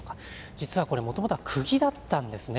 実はこれ、もともとはくぎだったんですね。